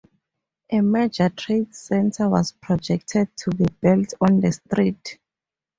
A major trade center was projected to be built on the street.